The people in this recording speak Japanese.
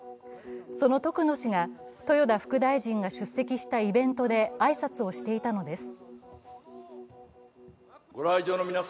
その徳野氏が豊田副大臣が出席したイベントで挨拶をしていたのです。